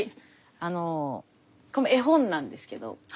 あのこの絵本なんですけど。